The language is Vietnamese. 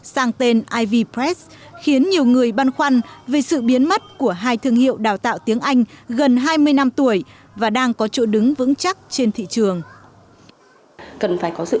đầu tháng một mươi vừa qua thị trường đào tạo tiếng anh trong nước cũng vừa chứng kiến hàng loạt cơ sở